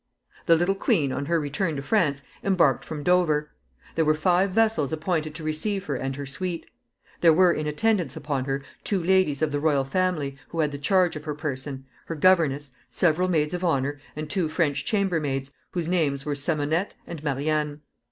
The little queen, on her return to France, embarked from Dover. There were five vessels appointed to receive her and her suite. There were in attendance upon her two ladies of the royal family, who had the charge of her person, her governess, several maids of honor, and two French chambermaids, whose names were Semonette and Marianne.